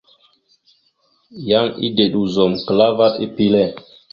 Yan edeɗa ozum klaa vaɗ epile.